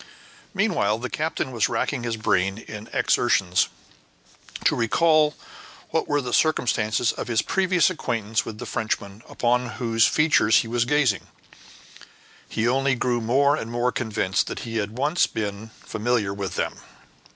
Meanwhile the captain was racking his brain in his exertions to recall what were the circumstances of his previous acquaintance with the Frenchman upon whose features he was gazing; he only grew more and more convinced that he had once been familiar with them.